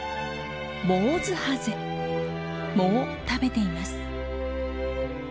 藻を食べています。